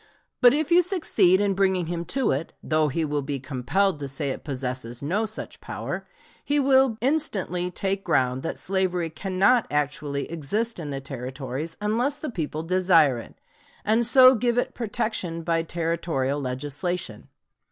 But if you succeed in bringing him to it though he will be compelled to say it possesses no such power he will instantly take ground that slavery cannot actually exist in the Territories unless the people desire it, and so give it protection by Territorial legislation.